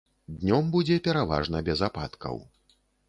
Днём будзе пераважна без ападкаў.